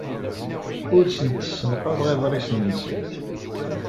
Ur asent-ssenqaḍeɣ iḍrisen-nsent.